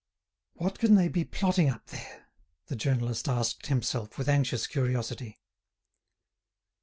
"What can they be plotting up there?" the journalist asked himself, with anxious curiosity.